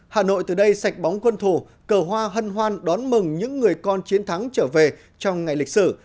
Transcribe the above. hà nội từ đây sạch bóng quân thủ cờ hoa hân hoan đón mừng những người con chiến thắng trở về trong ngày lịch sử